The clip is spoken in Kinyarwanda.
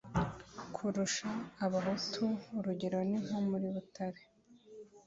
kurusha abahutu urugero ni nko muri butare